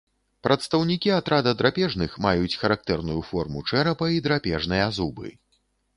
Прадстаўнікі атрада драпежных маюць характэрную форму чэрапа і драпежныя зубы.